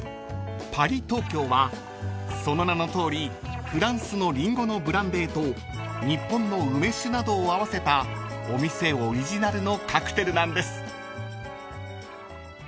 ［ＰａｒｉｓＴｏｋｙｏはその名のとおりフランスのリンゴのブランデーと日本の梅酒などを合わせたお店オリジナルのカクテルなんです］